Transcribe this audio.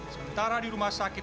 sementara di rumah sakit